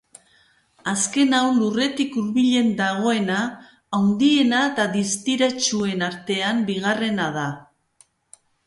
Azkena hau lurretik hurbilen dagoena, handiena eta distiratsuen artean bigarrena da.